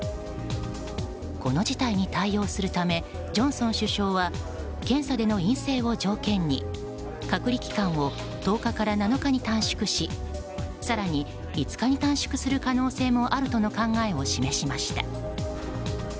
この事態に対応するためジョンソン首相は検査での陰性を条件に隔離期間を１０日から７日に短縮し更に５日に短縮する可能性もあるとの考えを示しました。